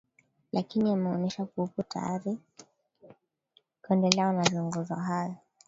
lakini ameonesha kuwa kuwepo tayari kuendelea na mazungumzo hayo